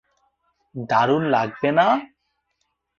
দারুণ লাগবে না?